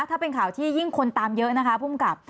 ถ้าเป็นข่าวที่ยิ่งคนตามเยอะนะฮะ